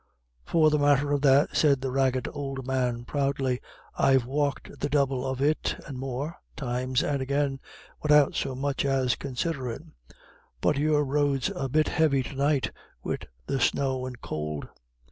"For the matther of that," said the ragged old man, proudly, "I've walked the double of it, and more, times and agin, widout so much as considherin'. But your road's a bit heavy to night, wid the snow and could."